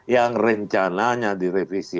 yang rencananya direvisi